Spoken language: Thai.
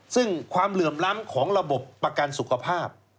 ซึ่งความเหลื่อมล้ำของระบบประกันสุขภาพ